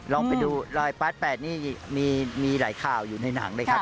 ลองไปดูรอยปาร์ด๘นี่มีหลายข่าวอยู่ในหนังเลยครับ